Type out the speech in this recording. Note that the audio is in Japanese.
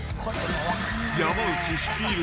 山内率いる